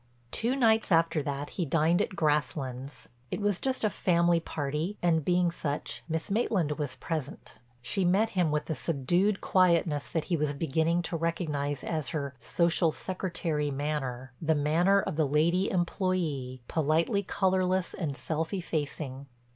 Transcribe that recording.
Two nights after that he dined at Grasslands. It was just a family party, and, being such, Miss Maitland was present. She met him with the subdued quietness that he was beginning to recognize as her "social secretary manner"—the manner of the lady employee, politely colorless and self effacing.